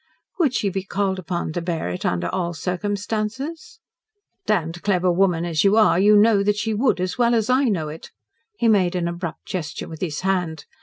"Would she be called upon to bear it under all circumstances?" "Damned clever woman as you are, you know that she would, as well as I know it." He made an abrupt gesture with his hand.